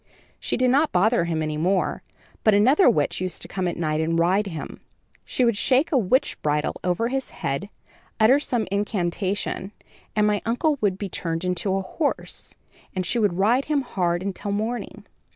She did not bother him any more; but another witch used to come at night and ride him. She would shake a witch bridle over his head, utter some incantation and my uncle would be turned into a horse, and she would ride him hard until morning.